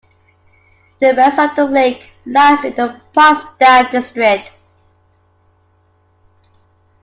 The rest of the lake lies in the Potsdam district.